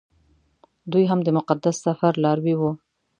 دوی هم د مقدس سفر لاروي وو.